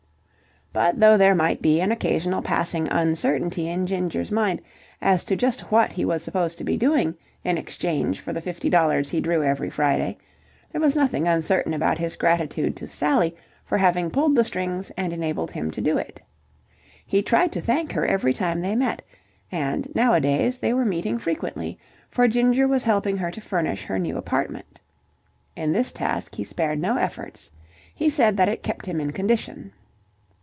But, though there might be an occasional passing uncertainty in Ginger's mind as to just what he was supposed to be doing in exchange for the fifty dollars he drew every Friday, there was nothing uncertain about his gratitude to Sally for having pulled the strings and enabled him to do it. He tried to thank her every time they met, and nowadays they were meeting frequently; for Ginger was helping her to furnish her new apartment. In this task, he spared no efforts. He said that it kept him in condition.